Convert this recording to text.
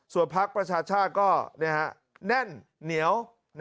ส่วนภักดิ์ประชาชาก็เน่นเหนียว